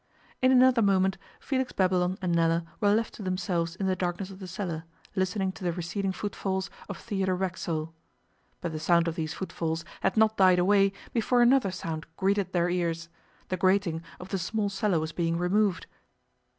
In another moment Felix Babylon and Nella were left to themselves in the darkness of the cellar, listening to the receding footfalls of Theodore Racksole. But the sound of these footfalls had not died away before another sound greeted their ears the grating of the small cellar was being removed.